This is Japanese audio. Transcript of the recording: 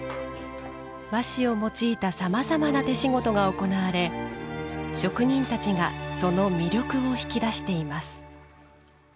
和紙を用いたさまざまな手仕事が行われ職人たちがその魅力を引き出しています。